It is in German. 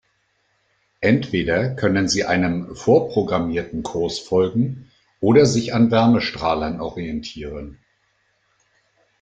Entweder können sie einem vorprogrammierten Kurs folgen oder sich an Wärmestrahlern orientieren.